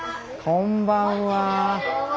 こんばんは。